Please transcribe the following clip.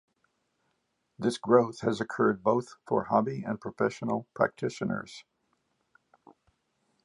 This growth has occurred both for hobby and professional practitioners.